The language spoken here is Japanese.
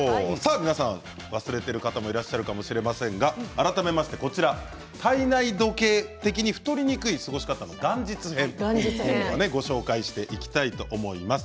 皆さん忘れている方もいらっしゃるかもしれませんが改めまして体内時計的に太りにくい過ごし方元日編ご紹介していきたいと思います。